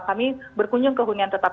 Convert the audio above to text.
kami berkunjung ke hunian tetap